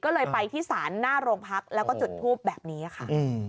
ก็เลยไปที่ศาลหน้าโรงพักแล้วก็จุดทูปแบบนี้ค่ะ